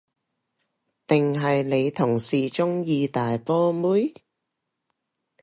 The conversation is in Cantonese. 定係你同事鍾意大波妹？